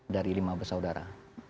dari lima bersaudara